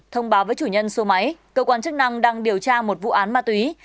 thông báo với chủ nhân số máy cơ quan chức năng đang điều tra một vụ án ma túy